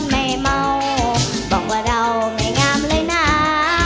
ไม่เมาบอกว่าเราไม่งามเลยนะ